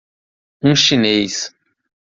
Um chinês